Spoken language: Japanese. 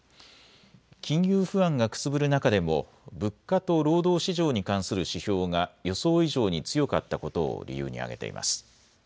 金融不安がくすぶる中でも物価と労働市場に関する指標が予想以上に強かったことを理由に挙げています。